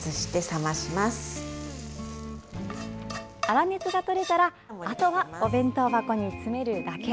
粗熱がとれたらあとはお弁当箱に詰めるだけ。